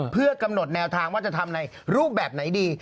เพื่อกำหนดแนวทางว่าจะทำในรูปแบบไหนดี